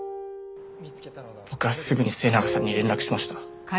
僕はすぐに末永さんに連絡しました。